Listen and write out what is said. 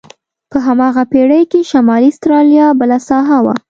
په هماغه پېړۍ کې شمالي استرالیا بله ساحه وه.